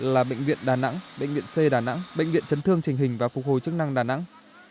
là bệnh viện đà nẵng bệnh viện c đà nẵng bệnh viện chấn thương trình hình và phục hồi chức năng đà nẵng